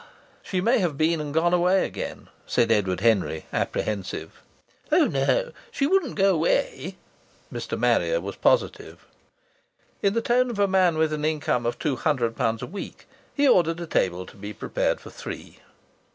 "She may have been and gone away again," said Edward Henry, apprehensive. "Oh, no! She wouldn't go away." Mr. Marrier was positive. In the tone of a man with an income of two hundred pounds a week he ordered a table to be prepared for three.